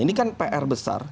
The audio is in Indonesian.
ini kan pr besar